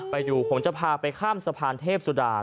ไปดูผมจะพาไปข้ามสะพานเทพสุดา